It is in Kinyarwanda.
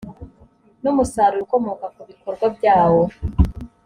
n umusaruro ukomoka ku bikorwa byawo